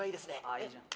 あいいじゃん。